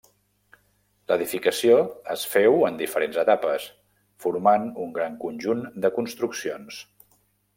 L'edificació es féu en diferents etapes, formant un gran conjunt de construccions.